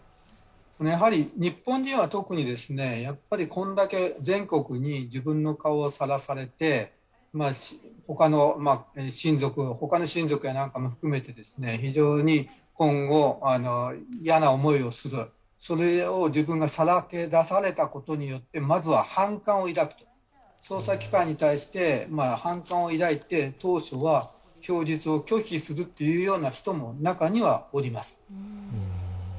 日本人は特に、これだけ全国に自分の顔をさらされて、ほかの親族やなんかも含めて非常に今後、嫌な思いをする、それを自分がさらけ出されたことによってまずは反感を抱くと、捜査機関に対して反感を抱いて当初は供述を拒否するというような人も中にはおります。